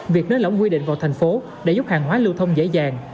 việc nới lỏng quy định vào thành phố để giúp hàng hóa lưu thông dễ dàng